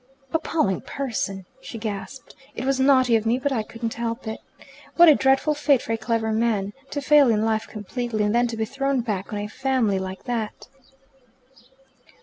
"Appalling person!" she gasped. "It was naughty of me, but I couldn't help it. What a dreadful fate for a clever man! To fail in life completely, and then to be thrown back on a family like that!"